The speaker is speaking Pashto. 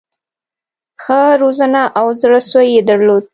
ښه روزنه او زړه سوی یې درلود.